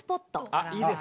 あ、いいです。